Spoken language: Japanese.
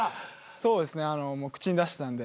そうですねもう口に出してたんで。